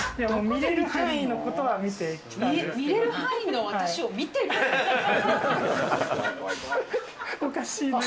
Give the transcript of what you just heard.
見れる範囲のことは見てきた見れる範囲の私を見てるの？